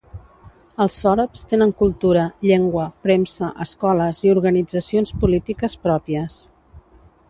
Els sòrabs tenen cultura, llengua, premsa, escoles i organitzacions polítiques pròpies.